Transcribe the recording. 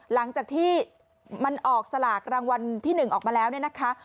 หลังจากที่มันออกสลากรางวัลที่๑ออกมาแล้วเนี่ยนะคะ